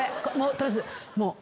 取りあえずもう。